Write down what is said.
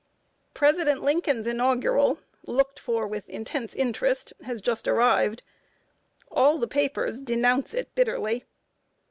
President Lincoln's Inaugural, looked for with intense interest, has just arrived. All the papers denounce it bitterly.